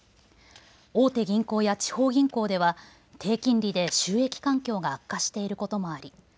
大手銀行や地方銀行では低金利で収益環境が悪化していることもあり